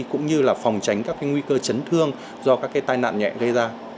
cũng như là phòng tránh các cái nguy cơ chấn thương do các cái tai nạn nhẹ gây ra